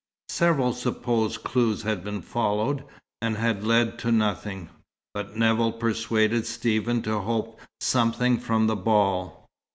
Several supposed clues had been followed, and had led to nothing; but Nevill persuaded Stephen to hope something from the ball.